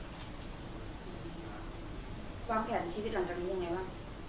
ความแผนชีวิตหลังจากนี้ยังไงบ้าง